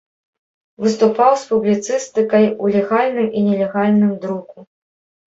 Выступаў з публіцыстыкай у легальным і нелегальным друку.